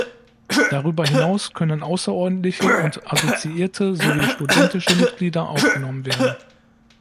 Darüber hinaus können außerordentliche und assoziierte sowie studentische Mitglieder aufgenommen werden.